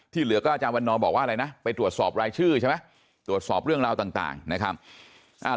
เหลือก็อาจารย์วันนอบอกว่าอะไรนะไปตรวจสอบรายชื่อใช่ไหมตรวจสอบเรื่องราวต่างนะครับ